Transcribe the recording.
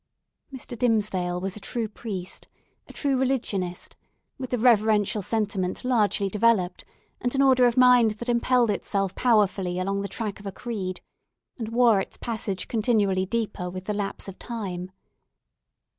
Mr. Dimmesdale was a true priest, a true religionist, with the reverential sentiment largely developed, and an order of mind that impelled itself powerfully along the track of a creed, and wore its passage continually deeper with the lapse of time.